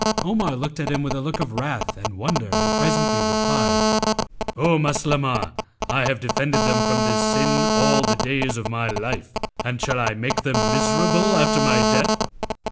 Omar looked at him with a look of wrath and wonder and presently replied, 'O Maslamah, I have defended them from this sin all the days of my life, and shall I make them miserable after my death?